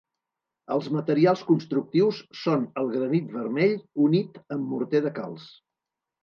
Els materials constructius són el granit vermell unit amb morter de calç.